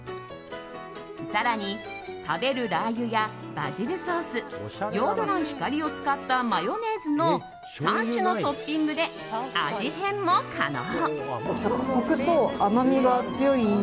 更に、食べるラー油やバジルソースヨード卵・光を使ったマヨネーズの３種のトッピングで味変も可能。